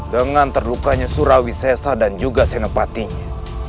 dengan terlukanya surawi sesa dan juga senopatinya